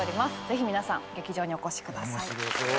ぜひ皆さん劇場にお越しください。